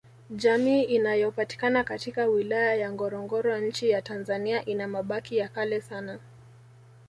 Jamii inayopatikana katika wilaya ya Ngorongoro Nchi ya tanzania ina mabaki ya kale sana